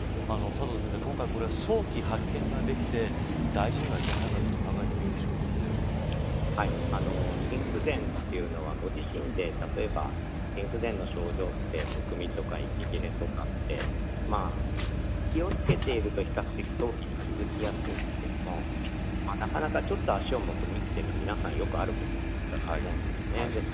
今回、早期発見ができて大事には至らなかったと心不全というのはご自身で例えば心不全の症状ってむくみとか息切れとかって気を付けていると比較的早期に気付きやすいんですがなかなか、ちょっと足がむくむというのは皆さんよくあることだと思うんです。